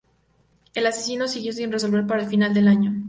El asesinato siguió sin resolver para el final del año.